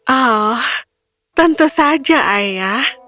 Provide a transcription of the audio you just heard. oh tentu saja ayah